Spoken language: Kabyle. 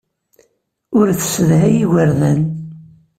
Ur tessedhay igerdan.